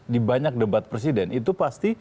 di banyak debat presiden itu pasti